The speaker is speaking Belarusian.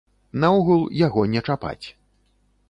Наогул яго не чапаць.